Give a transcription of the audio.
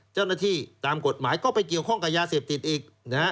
เจ้าหน้าที่ตามกฎหมายก็ไปเกี่ยวข้องกับยาเสพติดอีกนะฮะ